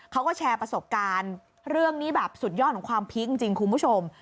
เขาก็แชร์ประสบการณ์เรื่องนี้แบบสุดยอดของความพีคจริงคุณผู้ชม